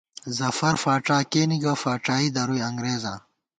ظفر فاڄا کېنے گہ ، فاڄائی درُوئی انگرېزاں